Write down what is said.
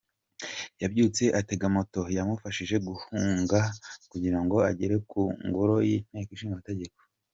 Yabyutse atega moto yamufashije guhunga kugira ngo agere ku ngoro y’Inteko Ishinga Amategeko.